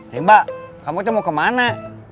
bimba kamu tuh mau kemana